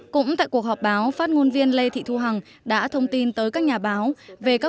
cũng tại cuộc họp báo phát ngôn viên lê thị thu hằng đã thông tin tới các nhà báo về các